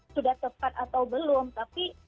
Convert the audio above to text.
sudah tepat atau belum tapi